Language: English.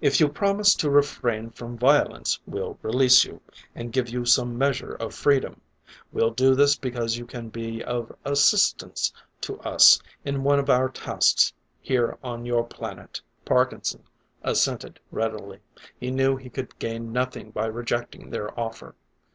"If you promise to refrain from violence, we'll release you, and give you some measure of freedom. We'll do this because you can be of assistance to us in one of our tasks here on your planet." Parkinson assented readily; he knew he could gain nothing by rejecting their offer.